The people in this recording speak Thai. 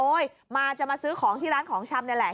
มาจะมาซื้อของที่ร้านของชำนี่แหละ